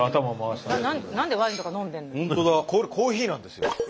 スタジオコーヒーなんですよ。